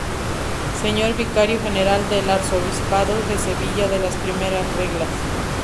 Sr. Vicario General del Arzobispado de Sevilla de las primeras reglas.